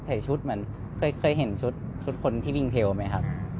เทเนียมเขาเคยเคยเห็นชุดคนที่บิงเทลมั้ยครับ